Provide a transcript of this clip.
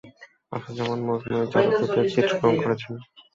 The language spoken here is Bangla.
আসাদুজ্জামান মজনু এই চলচ্চিত্রের চিত্রগ্রহণ করেছেন।